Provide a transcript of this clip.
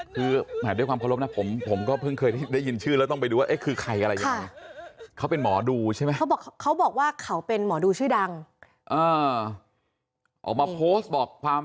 เพราะเพราะเพราะเพราะเพราะเพราะเพราะเพราะเพราะเพราะเพราะเพราะเพราะ